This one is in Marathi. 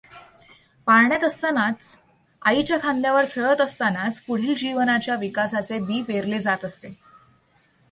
पाळण्यात असतानाच, आईच्या खांद्यावर खेळत असतानाच, पुढील जीवनाच्या विकासाचे बी पेरले जात असते.